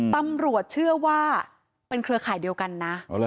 ตำรวจเชื่อว่าเป็นเครือข่ายเดียวกันนะ